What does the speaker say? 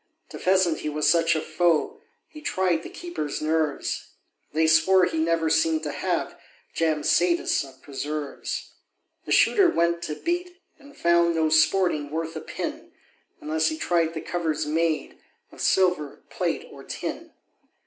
To pheasant he was such a foe, He tried the keepers' nerves; They swore he never seem'd to have Jam satis of preserves. The Shooter went to beat, and found No sporting worth a pin, Unless he tried the covers made Of silver, plate, or tin.